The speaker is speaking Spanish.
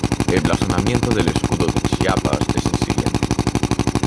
El blasonamiento del escudo de Chiapas es el siguiente.